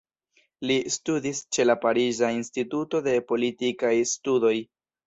Li studis ĉe la Pariza Instituto de Politikaj Studoj.